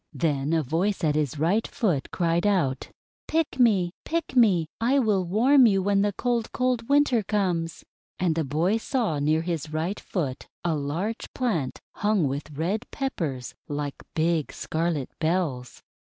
Then a voice at his right foot cried out: 'Pick me! Pick me! I will warm you when the cold, cold Winter comes!' And the boy saw near his right foot a large plant hung with Red Peppers like big scarlet bells.